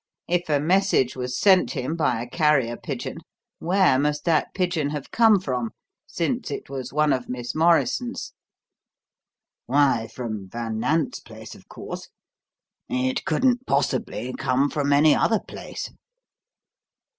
If a message was sent him by a carrier pigeon, where must that pigeon have come from, since it was one of Miss Morrison's?" "Why, from Van Nant's place, of course. It couldn't possibly come from any other place."